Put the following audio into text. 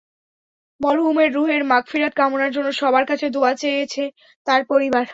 মরহুমের রুহের মাগফিরাত কামনার জন্য সবার কাছে দোয়া চেয়েছে তাঁর পরিবার।